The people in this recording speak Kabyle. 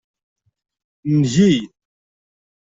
Ngi.